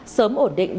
sớm ổn định đời dân sinh